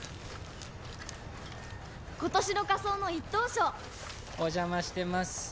今年の仮装の一等賞お邪魔してます